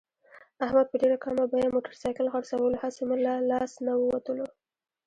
احمد په ډېره کمه بیه موټرسایکل خرڅولو، هسې مه له لاس نه ووتلو.